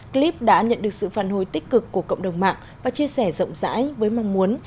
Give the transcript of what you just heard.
clip đã nhận được sự phản hồi tích cực của cộng đồng mạng và chia sẻ rộng rãi với mong muốn